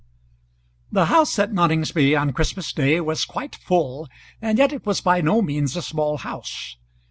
The house at Noningsby on Christmas day was quite full, and yet it was by no means a small house.